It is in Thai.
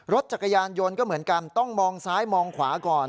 รถจักรยานยนต์ก็เหมือนกันต้องมองซ้ายมองขวาก่อน